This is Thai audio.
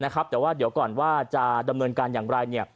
แต่ว่าเดี๋ยวก่อนว่าจะดำเนินการอย่างไร